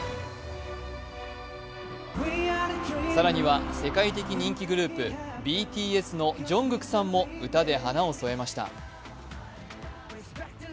更には世界的人気グループ、ＢＴＳのＪＵＮＧＫＯＯＫさんも歌で華を添えました。